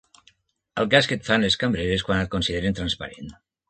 El cas que et fan les cambreres quan et consideren transparent.